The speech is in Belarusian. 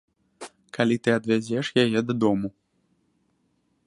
Калі ты адвязеш яе дадому.